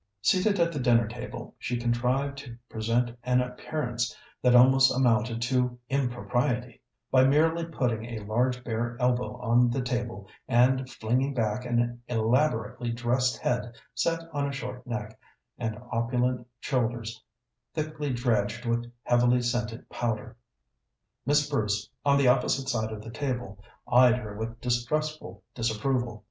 Seated at the dinner table, she contrived to present an appearance that almost amounted to impropriety, by merely putting a large bare elbow on the table and flinging back an elaborately dressed head set on a short neck and opulent shoulders, thickly dredged with heavily scented powder. Miss Bruce, on the opposite side of the table, eyed her with distrustful disapproval.